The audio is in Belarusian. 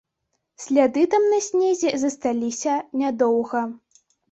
Сляды там на снезе засталіся нядоўга.